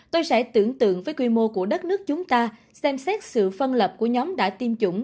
tôi sẽ tưởng tượng với quy mô của đất nước chúng ta xem xét sự phân lập của nhóm đã tiêm chủng